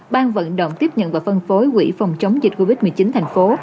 bang vận động tiếp nhận và phân phối ủy phòng chống dịch covid một mươi chín thành phố